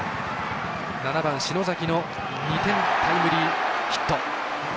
７番、篠崎の２点タイムリーヒット。